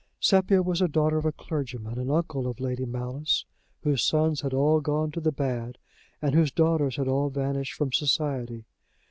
Sepia was the daughter of a clergyman, an uncle of Lady Malice, whose sons had all gone to the bad, and whose daughters had all vanished from society.